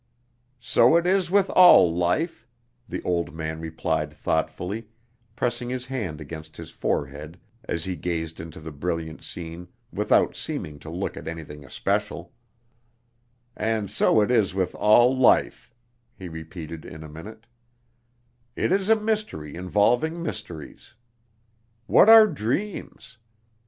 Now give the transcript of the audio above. "So it is with all life," the old man replied thoughtfully, pressing his hand against his forehead as he gazed into the brilliant scene without seeming to look at anything especial; "and so it is with all life," he repeated in a minute; "it is a mystery involving mysteries! What are dreams?